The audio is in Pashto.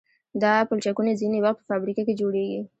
دا پلچکونه ځینې وخت په فابریکه کې جوړیږي